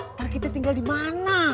ntar kita tinggal di mana